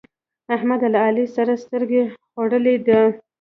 احمد له علي سره سترګه خوړلې ده.